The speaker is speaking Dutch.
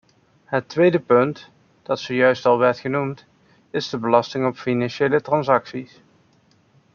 Het tweede punt, dat zojuist al werd genoemd, is de belasting op financiële transacties.